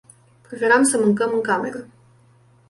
Preferam să mâncăm în cameră.